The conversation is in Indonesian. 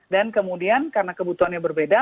dan kemudian karena kebutuhannya berbeda